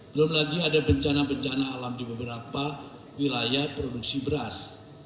belum lagi ada bencana bencana alam di beberapa wilayah produksi beras